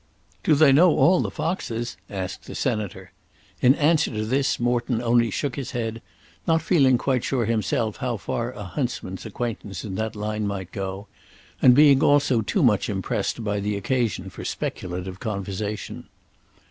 "Do they know all the foxes?" asked the Senator. In answer to this, Morton only shook his head, not feeling quite sure himself how far a huntsman's acquaintance in that line might go, and being also too much impressed by the occasion for speculative conversation.